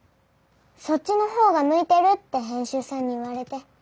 そっちのほうが向いてるって編集さんに言われて。